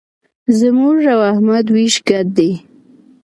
زموږ او احمد وېش ګډ دی.